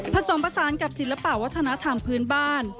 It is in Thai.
ผสมผสานกับศิลปะวัฒนธรรมพื้นบ้าน